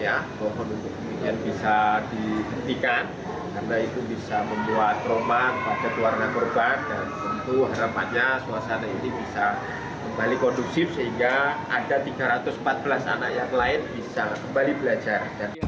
dan tentu harapannya suasana ini bisa kembali kondusif sehingga ada tiga ratus empat belas anak yang lain bisa kembali belajar